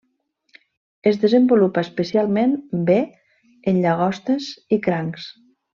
Es desenvolupa especialment bé en llagostes i crancs.